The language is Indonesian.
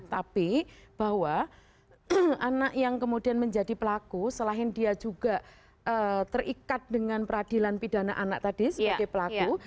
tapi bahwa anak yang kemudian menjadi pelaku selain dia juga terikat dengan peradilan pidana anak tadi sebagai pelaku